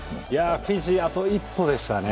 フィジーあと一歩でしたね。